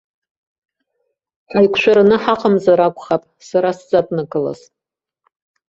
Ҳаиқәшәараны ҳаҟамзар акәхап сара сзаднакылаз.